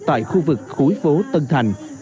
tại khu vực khu vực phố tân thành